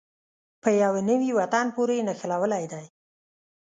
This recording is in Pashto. په يوه نوي وطن پورې یې نښلولې دي.